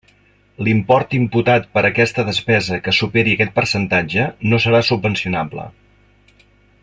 L'import imputat per aquesta despesa que superi aquest percentatge no serà subvencionable.